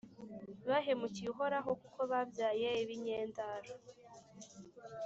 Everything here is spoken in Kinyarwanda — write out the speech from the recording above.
Bahemukiye Uhoraho kuko babyaye ibinyendaro;